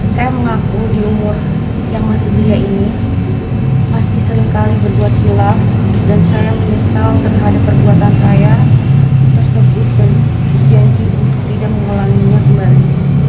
saya mengaku di umur yang masih belia ini masih seringkali berbuat gila dan saya menyesal terhadap perbuatan saya tersebut dan janji untuk tidak mengulanginya kembali